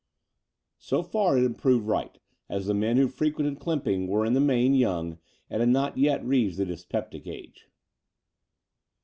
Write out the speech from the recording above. So far it had proved right, as the men who frequented Clymping were in the main young, and had not yet reached the dyspeptic age.